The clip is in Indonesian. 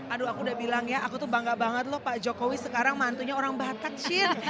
aduh aku udah bilang ya aku tuh bangga banget loh pak jokowi sekarang mantunya orang barat kecil